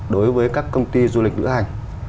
đối với các công ty du lịch lữ hành